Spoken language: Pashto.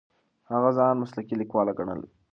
هغه ځان مسلکي لیکواله ګڼله.